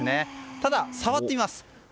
ただ、触ってみます。